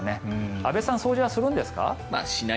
安部さん、掃除はするんですか？